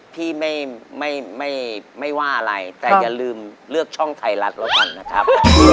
พี่ไม่ว่าอะไรแต่อย่าลืมเลือกช่องไทยรัฐแล้วกันนะครับ